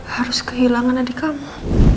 harus kehilangan adik kamu